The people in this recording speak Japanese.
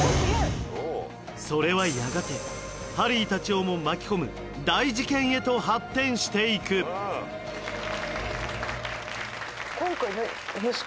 それはやがてハリー達をも巻き込む大事件へと発展していく今回何？